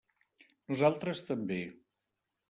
Nosaltres també.